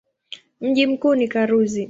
Mji mkuu ni Karuzi.